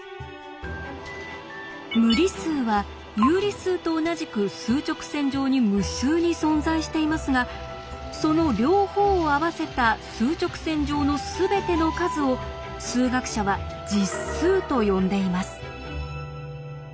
無理数は有理数と同じく数直線上に無数に存在していますがその両方を合わせた数直線上のすべての数を数学者は「実数」と呼んでいます。